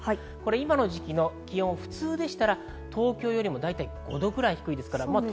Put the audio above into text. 今の時期の気温、普通でしたら東京よりも５度くらい低いです。